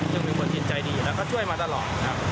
จึงมีบทชินใจดีแล้วก็ช่วยมาตลอดครับ